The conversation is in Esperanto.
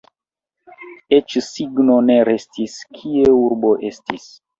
Eĉ signo ne restis, kie urbo estis.